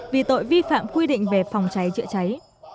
vì tội vi phạm quy định về phòng cháy chữa cháy